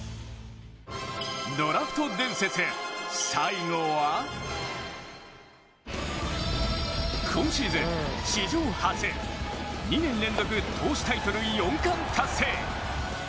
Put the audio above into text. ドラフト伝説、最後は今シーズン、史上初２年連続投手タイトル四冠達成。